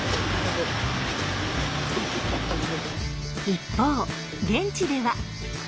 一方現地では。